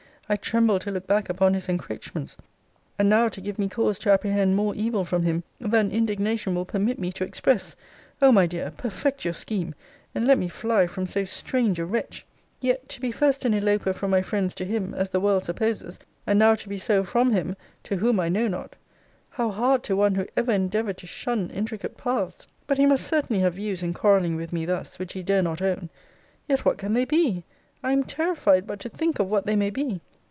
I tremble to look back upon his encroachments. And now to give me cause to apprehend more evil from him, than indignation will permit me to express! O my dear, perfect your scheme, and let me fly from so strange a wretch! Yet, to be first an eloper from my friends to him, as the world supposes; and now to be so from him [to whom I know not!] how hard to one who ever endeavoured to shun intricate paths! But he must certainly have views in quarrelling with me thus, which he dare not own! Yet what can they be? I am terrified but to think of what they may be!